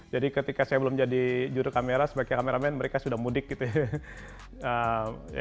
jadi ketika saya belum jadi jurur kamera sebagai kameramen mereka sudah mudik gitu ya